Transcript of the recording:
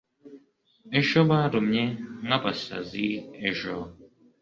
ejo barumye nkabasazi ejo